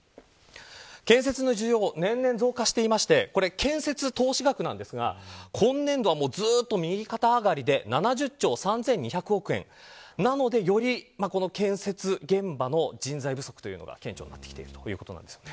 建設の需要、年々増加していて建設投資額なのですが今年度は、ずっと右肩上がりで７０兆３２００億円なので、より建設現場の人材不足というのが顕著になってきているということです。